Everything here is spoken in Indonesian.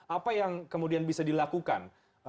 apa yang kemudian bisa dilakukan